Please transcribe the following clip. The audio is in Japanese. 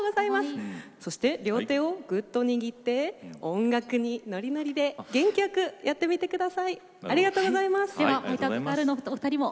そして両手をぐっと握って音楽にノリノリで元気よくやってみてください。